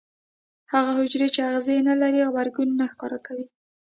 هغه حجرې چې آخذې نه لري غبرګون نه ښکاره کوي.